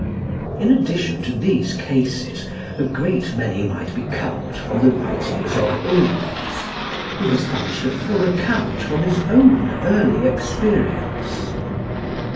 In addition to these cases a great many might be culled from the writings of Ulrichs, who has published a full account from his own early experience.